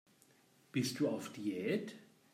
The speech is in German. Bist du auf Diät?